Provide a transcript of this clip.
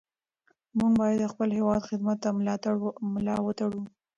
موږ باید د خپل هېواد خدمت ته ملا وتړو.